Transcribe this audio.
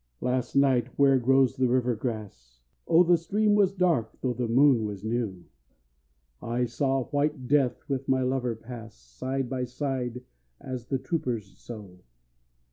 3 Last night, where grows the river grass, (Oh the stream was dark though the moon was new!) I saw white Death with my lover pass, Side by side as the troopers so.